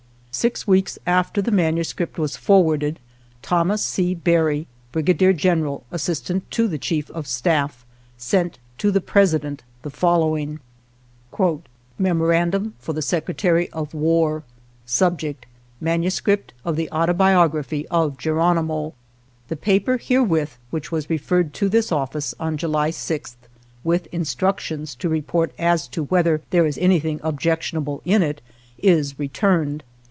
Six weeks after the manuscript was for warded, Thomas C. Barry, Brigadier Gen eral, Assistant to the Chief of Staff , sent to the President the following: " Memorandum for the Secretary of War. " Subject: Manuscript of the Autobiography of Geronimo. The paper herewith, which was referred to this office on July 6th, with instructions to report as to whether there is anything objectionable in it, is returned.